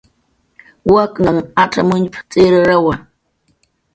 "Waknhan acxamuñp"" tz'irrawa"